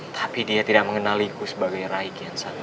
tapi dia tidak mengenaliku sebagai raikian satu